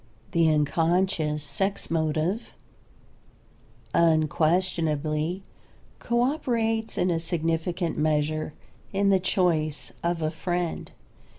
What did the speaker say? The unconscious sex motive unquestionably co operates in a significant measure in the choice of a friend.